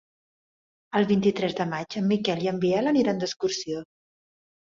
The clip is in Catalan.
El vint-i-tres de maig en Miquel i en Biel aniran d'excursió.